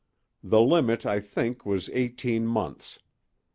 The limit, I think, was eighteen months.